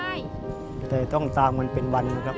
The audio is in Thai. เดือนละครั้งบ้างสองเดือนครั้งบ้างนะครับ